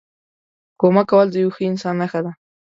کمک کول د یوه ښه انسان نښه ده.